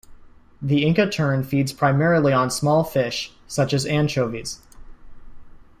The Inca tern feeds primarily on small fish, such as anchovies.